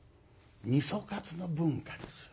みそカツの文化ですよ。